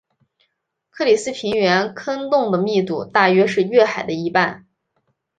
克里斯平原坑洞的密度大约是月海的一半。